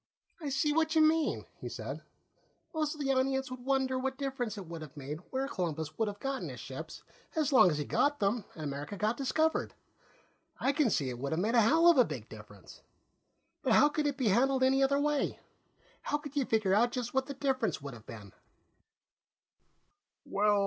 "I see what you mean," he said. "Most of the audience would wonder what difference it would have made where Columbus would have gotten his ships, as long as he got them and America got discovered. I can see it would have made a hell of a big difference. But how could it be handled any other way? How could you figure out just what the difference would have been?"